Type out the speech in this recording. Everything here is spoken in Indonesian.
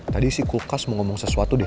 tadisih kulkas mau ngomong seswatu deh